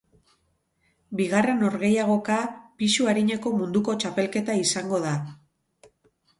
Bigarren norgehiagoka, pisu arineko munduko txapelketa izango da.